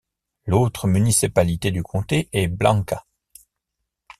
L'autre municipalité du comté est Blanca.